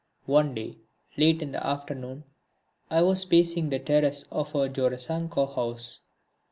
One day, late in the afternoon, I was pacing the terrace of our Jorasanko house.